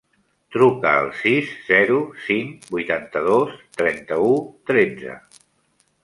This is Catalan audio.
Truca al sis, zero, cinc, vuitanta-dos, trenta-u, tretze.